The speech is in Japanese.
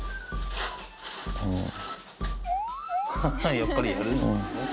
やっぱりやるんですね。